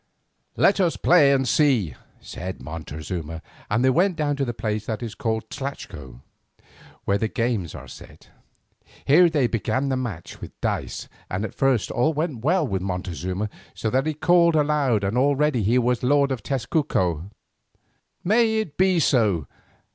"Let us play and see," said Montezuma, and they went down to the place that is called tlachco, where the games are set. Here they began the match with dice and at first all went well for Montezuma, so that he called aloud that already he was lord of Tezcuco. "May it be so!"